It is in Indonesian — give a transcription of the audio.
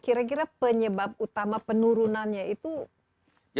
kira kira penyebab utama penurunannya itu apa ya